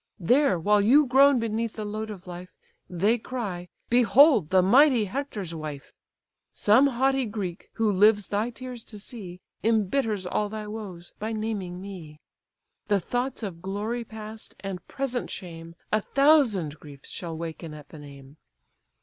There while you groan beneath the load of life, They cry, 'Behold the mighty Hector's wife!' Some haughty Greek, who lives thy tears to see, Imbitters all thy woes, by naming me. The thoughts of glory past, and present shame, A thousand griefs shall waken at the name!